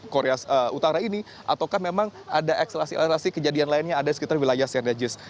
karya utara ini ataukah memang ada ekstrasi ekstrasi kejadian lainnya ada di sekitar wilayah sengdrejis